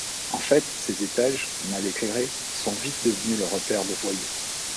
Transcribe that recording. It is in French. En fait, ces étages, mal éclairés, sont vite devenus le repaire de voyous.